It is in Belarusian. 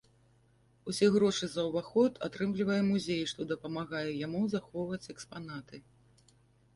Усе грошы за ўваход атрымлівае музей, што дапамагае яму захоўваць экспанаты.